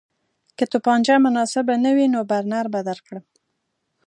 که توپانچه مناسبه نه وي نو برنر به درکړم